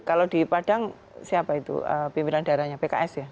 jadi kalau di padang siapa itu pimpinan daerahnya pks ya